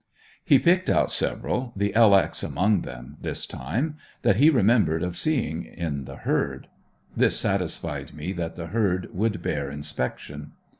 He picked out several, the "L X." among them, this time, that he remembered of seeing in the herd. This satisfied me that the herd would bear inspection.